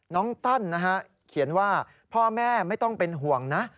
น้องตั้นเขียนว่าพ่อแม่ไม่ต้องเป็นห่วงนะ